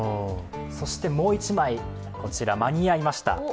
そしてもう１枚、間に合いました。